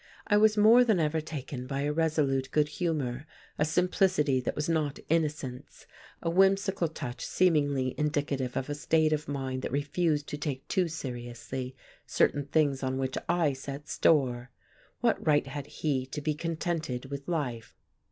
I was more than ever baked by a resolute good humour, a simplicity that was not innocence, a whimsical touch seemingly indicative of a state of mind that refused to take too seriously certain things on which I set store. What right had he to be contented with life?